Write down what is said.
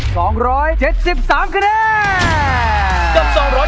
๒๗๓คะแนน